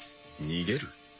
逃げる？